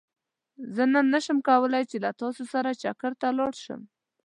زه نن نه شم کولاي چې له تاسو سره چکرته لاړ شم